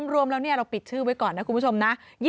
รวมแล้วเราปิดชื่อไว้ก่อนนะคุณผู้ชมนะ